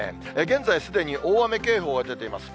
現在、すでに大雨警報が出ています。